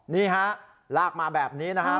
นี่ฮะลากมาแบบนี้นะฮะ